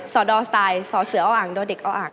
สดอสไตล์สอเสืออ้าวอังดอเด็กอ้าวอัง